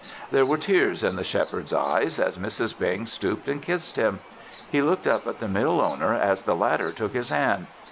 There were tears in the Shepherd's eyes as Mrs. Bing stooped and kissed him. He looked up at the mill owner as the latter took his hand.